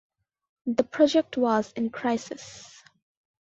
The project was in crisis.